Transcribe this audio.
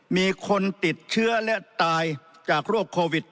มีคนติดเชื้อและตายจากโรคโควิด